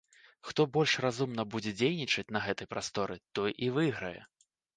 Хто больш разумна будзе дзейнічаць на гэтай прасторы, той і выйграе.